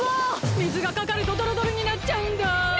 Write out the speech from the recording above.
みずがかかるとどろどろになっちゃうんだ！